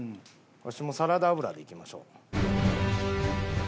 わしもサラダ油でいきましょう。